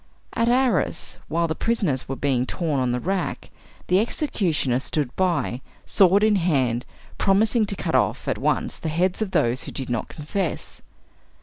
At Arras, while the prisoners were being torn on the rack, the executioner stood by, sword in hand, promising to cut off at once the heads of those who did not confess.